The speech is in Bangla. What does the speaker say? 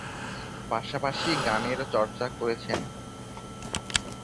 পাশাপাশি গানের চর্চা করেছেন।